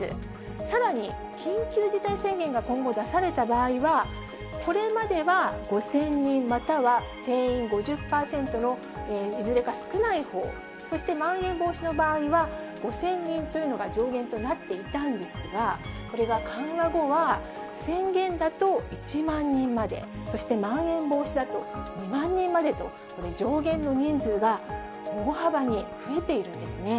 さらに緊急事態宣言が今後出された場合は、これまでは５０００人、または定員５０％のいずれか少ないほう、そしてまん延防止の場合は、５０００人というのが上限となっていたんですが、これが緩和後は、宣言だと１万人まで、そしてまん延防止だと２万人までと、上限の人数が大幅に増えているんですね。